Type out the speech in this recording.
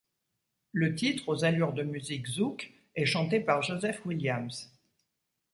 Le titre, aux allures de musique zouk, est chanté par Joseph Williams.